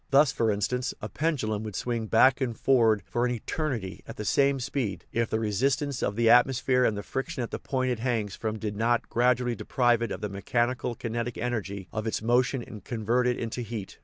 Thus, for instance, a pendulum would swing back ward and forward for an eternity at the same speed if the resistance of the atmosphere and the friction at the point it hangs from did not gradually deprive it of 245 THE RIDDLE OF THE UNIVERSE the mechanical kinetic energy of its motion and con vert it into heat.